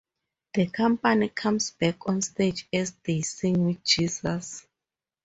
The company comes back on stage as they sing with Jesus.